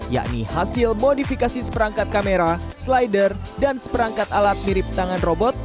yakni hasil modifikasi seperangkat kamera slider dan seperangkat alat mirip tangan robot